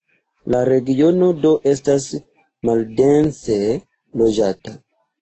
La regiono do estas maldense loĝata.